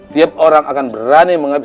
tiap orang akan berani mengambil